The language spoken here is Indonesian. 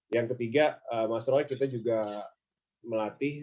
yang ketiga mas roy kita juga melatih